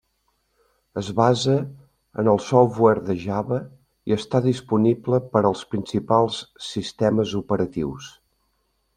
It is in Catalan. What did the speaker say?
Es basa en el software de Java i està disponible per als principals sistemes operatius.